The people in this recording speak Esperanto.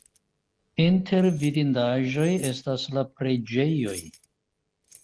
Inter vidindaĵoj estas la preĝejoj.